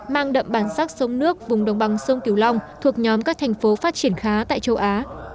mang đậm bản sắc sông nước vùng đồng bằng sông kiều long thuộc nhóm các thành phố phát triển khá tại châu á